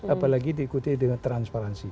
apalagi diikuti dengan transparansi